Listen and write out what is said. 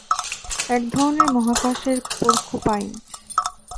এক ধরণের মহাকাশের পর্কুপাইন।